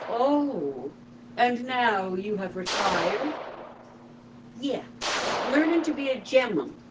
"Oh! And now you have retired?" "Yeah learnin' to be a gem'mum.